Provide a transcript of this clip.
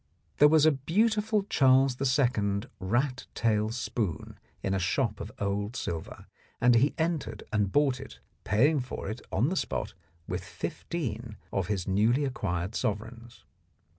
There was a beautiful Charles II. rat tail spoon in a shop of old silver, and he entered and bought it, paying for it on the spot with fifteen of his newly acquired sovereigns.